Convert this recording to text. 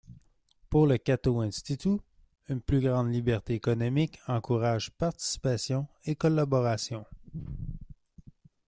Pour le Cato Institute, une plus grande liberté économique encourage participation et collaboration.